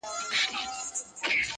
شپې یې ډېري تېرېدې په مېلمستیا کي!.